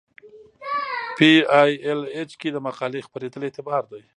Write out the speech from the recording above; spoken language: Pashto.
په ای ایل ایچ کې د مقالې خپریدل اعتبار دی.